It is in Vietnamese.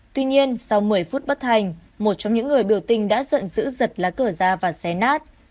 tuy nhiên sau một mươi phút bất thành một trong những người biểu tình đã giận giữ giật lá cờ ra và xé nát